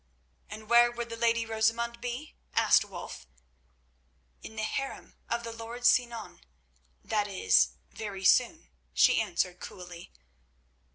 "And where would the lady Rosamund be?" asked Wulf. "In the harem of the lord Sinan—that is, very soon," she answered, coolly.